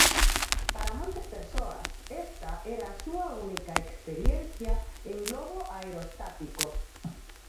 Para moitas persoas esta era a súa única experiencia en globo aerostático.